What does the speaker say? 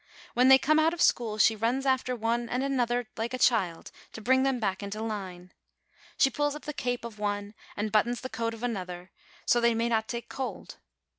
When they come out of school, she runs after one and another like a child, to bring them back into line. She pulls up the cape of one, and buttons the coat of another, so they may not take cold.